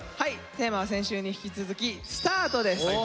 テーマは先週に引き続き「ＳＴＡＲＴ」です。